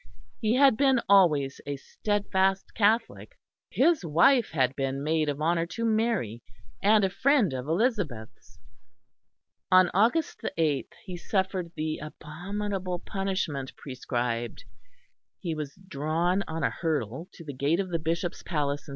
He had been always a steadfast Catholic; his wife had been maid of honour to Mary and a friend of Elizabeth's. On August the eighth he suffered the abominable punishment prescribed; he was drawn on a hurdle to the gate of the Bishop's palace in S.